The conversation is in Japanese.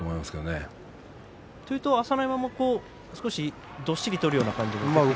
朝乃山は少しどっしり取るような感じですか。